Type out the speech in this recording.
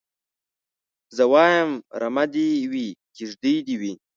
زه وايم رمه دي وي کيږدۍ دي وي